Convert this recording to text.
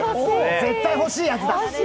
絶対欲しいやつだ！！